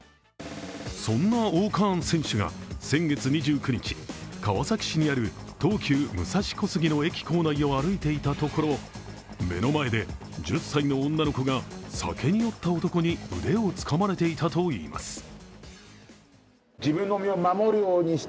そんなＯ−カーン選手が先月２９日、川崎市にある東急・武蔵小杉駅を歩いていたところ目の前で１０歳の女の子が酒に酔った男に腕をつかまれていたといいます。